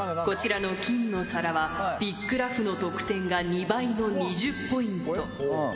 こちらの金のお皿はＢＩＧＬＡＵＧＨの得点が２倍の２０ポイント。